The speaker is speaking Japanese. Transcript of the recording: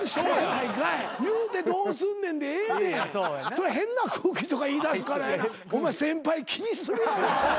それ変な空気とか言いだすからやなお前先輩気にするやろアホ。